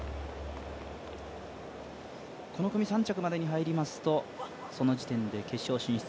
この組３着までに入りますとその時点で決勝進出。